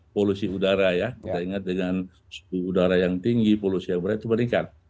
polusi udara ya kita ingat dengan suhu udara yang tinggi polusi yang berat itu meningkat